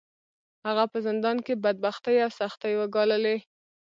هغه په زندان کې بدبختۍ او سختۍ وګاللې.